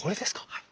はい。